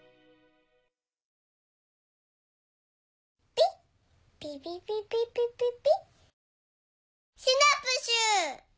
ピ！ピピピピピピピ。